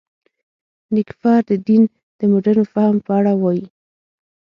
نېکفر د دین د مډرن فهم په اړه وايي.